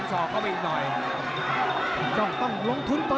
แล้วทีมงานน่าสื่อ